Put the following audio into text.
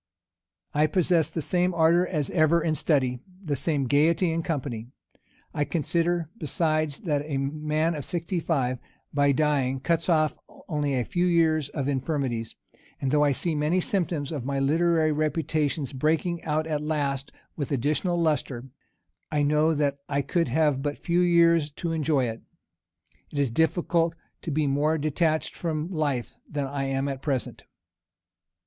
I possess the same ardor as ever in study, and the same gayety in company. I consider, besides, that a man of sixty five, by dying, cuts off only a few years of infirmities; and though I see many symptoms of my literary reputation's breaking out at last with additional lustre, I know that I could have but few years to enjoy it. It is difficult to be more detached from life than I am at present.